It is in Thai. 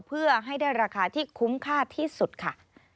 เพื่อให้ได้ราคาที่คุ้มค่าที่สุดค่ะ